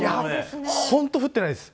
本当に降ってないです。